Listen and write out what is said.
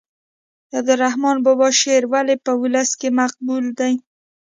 د عبدالرحمان بابا شعر ولې په ولس کې مقبول دی.